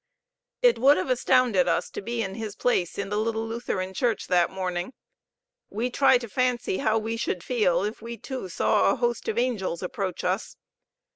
It would have astounded us to be in his place in the little Lutheran church that morning. We try to fancy how we should feel, if we too saw a host of angels approach us.